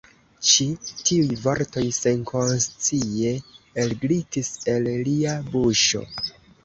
Ĉi tiuj vortoj senkonscie elglitis el lia buŝo.